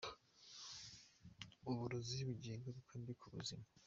Uburozi bugira ingaruka mbi ku buzima.